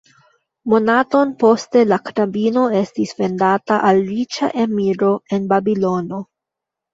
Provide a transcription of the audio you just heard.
Monaton poste la knabino estis vendata al riĉa emiro en Babilono.